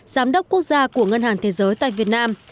giám đốc quốc gia của ngân hàng thế giới tại việt nam